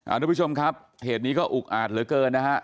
ทุกผู้ชมครับเหตุนี้ก็อุกอาจเหลือเกินนะฮะ